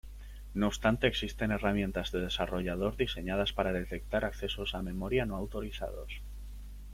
No obstante existen herramientas de desarrollador diseñadas para detectar accesos a memoria no autorizados.